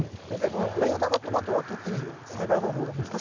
この大玉トマトは特に栽培方法が難しいですよね。